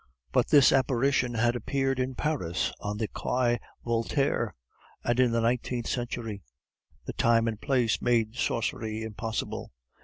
But this apparition had appeared in Paris, on the Quai Voltaire, and in the nineteenth century; the time and place made sorcery impossible.